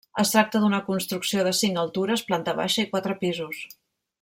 Es tracta d'una construcció de cinc altures, planta baixa i quatre pisos.